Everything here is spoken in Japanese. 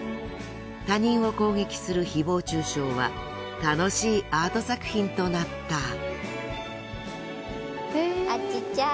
他人を攻撃する誹謗中傷は楽しいアート作品となった。